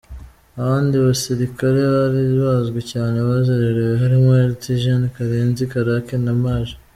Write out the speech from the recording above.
Abandi basirikare bari bazwi cyane basezerewe harimo Lt Gen Karenzi Karake na Maj.